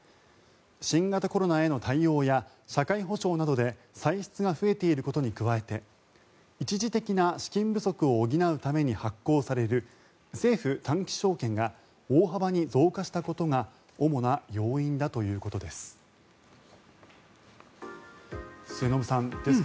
新型コロナへの対応や社会保障などで歳出が増えていることに加えて一時的な資金不足を補うために発行される政府短期証券が大幅に増加したことが主な要因だということです。